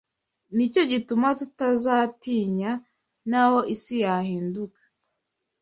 Ni cyo gituma tutazatinya, naho isi yahinduka